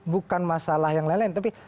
bukan masalah yang lain lain tapi